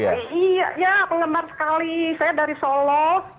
iya penggemar sekali saya dari solo